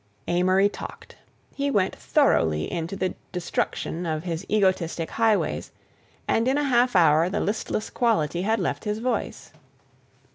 Amory talked; he went thoroughly into the destruction of his egotistic highways, and in a half hour the listless quality had left his voice.